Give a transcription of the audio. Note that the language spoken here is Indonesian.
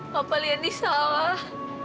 papa liat ini salah